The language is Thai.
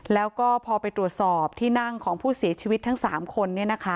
แล้วก็พอไปตรวจสอบที่นั่งของผู้เสียชีวิตทั้ง๓คน